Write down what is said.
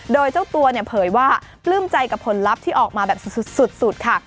โดยเจ้าตัวเนี่ยเผยว่าปลื้มใจกับผลลัพธ์ที่ออกมาแบบสุดค่ะ